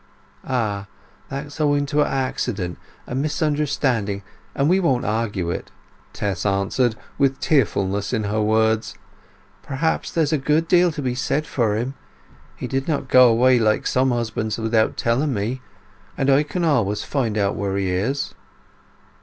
"Ah—that's owing to an accident—a misunderstanding; and we won't argue it," Tess answered, with tearfulness in her words. "Perhaps there's a good deal to be said for him! He did not go away, like some husbands, without telling me; and I can always find out where he is."